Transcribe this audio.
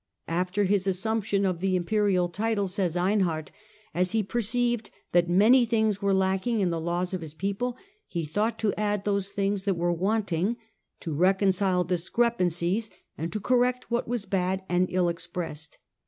" After his as sumption of the Imperial title," says Einhard, "as he perceived that many things were lacking in the laws of his people, he thought to add those things that were wanting, to reconcile discrepancies, and to correct what was bad and ill expressed.